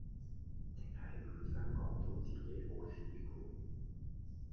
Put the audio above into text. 即係唔想講到自己好市儈